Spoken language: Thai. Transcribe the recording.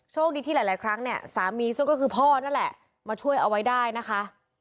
คดีที่หลายครั้งเนี่ยสามีซึ่งก็คือพ่อนั่นแหละมาช่วยเอาไว้ได้นะคะ